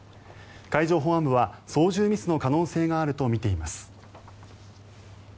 海上保安部は操縦ミスの可能性があるとみています。